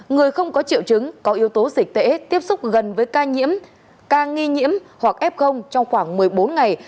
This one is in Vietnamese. người không có triệu chứng có yếu tố dịch tễ tiếp xúc gần với ca nhiễm ca nghi nhiễm hoặc f trong khoảng một mươi bốn ngày